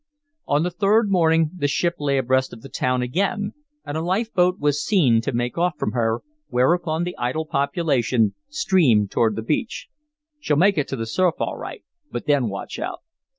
On the third morning the ship lay abreast of the town again and a life boat was seen to make off from her, whereupon the idle population streamed towards the beach. "She'll make it to the surf all right, but then watch out."